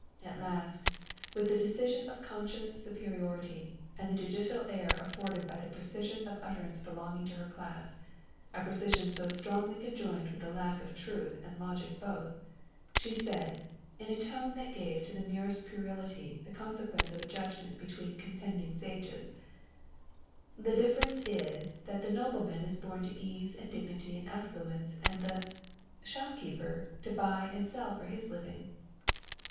At last, with the decision of conscious superiority, and the judicial air afforded by the precision of utterance belonging to her class a precision so strangely conjoined with the lack of truth and logic both she said, in a tone that gave to the merest puerility the consequence of a judgment between contending sages: "The difference is, that the nobleman is born to ease and dignity and affluence, and the shopkeeper to buy and sell for his living."